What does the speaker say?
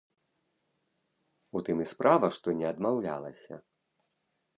У тым і справа, што не адмаўлялася.